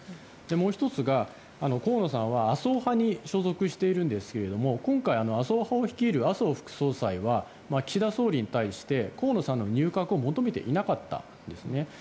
もう１つが、河野さんは麻生派に所属しているんですが今回、麻生派を率いる麻生副総裁は岸田総理に対して河野さんの入閣を求めていなかったんですね。